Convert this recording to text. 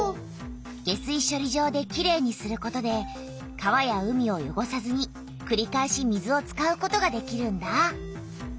下水しょり場できれいにすることで川や海をよごさずにくりかえし水を使うことができるんだ。